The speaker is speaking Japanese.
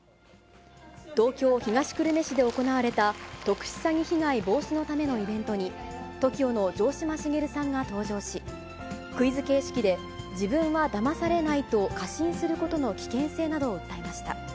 東京・東久留米市で行われた特殊詐欺被害防止のためのイベントに、ＴＯＫＩＯの城島茂さんが登場し、クイズ形式で自分はだまされないと過信することの危険性などを訴えました。